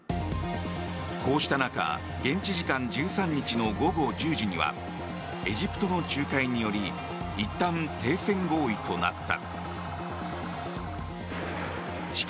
こうした中現地時間の１３日午後１０時にはエジプトの仲介によりいったん、停戦合意となった。